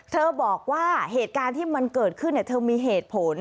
เธอบอกว่าเหตุการณ์ที่มันเกิดขึ้นเธอมีเหตุผล